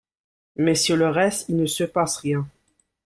Mais sur le reste, il ne se passe rien.